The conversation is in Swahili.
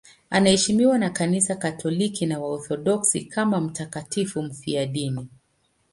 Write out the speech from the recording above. Anaheshimiwa na Kanisa Katoliki na Waorthodoksi kama mtakatifu mfiadini.